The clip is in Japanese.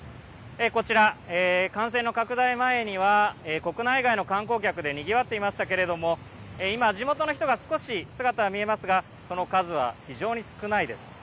こちら、感染の拡大前には国内外の観光客でにぎわっていましたけれども今、地元の人が姿が見えますが、その数は非常に少ないです。